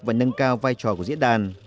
vai trò của diễn đàn